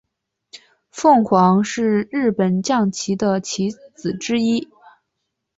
凤凰是日本将棋的棋子之一。